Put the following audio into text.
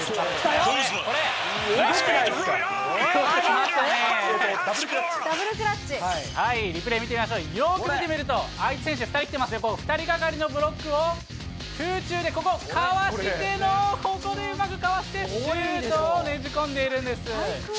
よーく見てみると、相手選手、２人がかりのブロックを空中でここ、かわしての、ここでうまくかわしてシュート、ねじ込んでいるんです。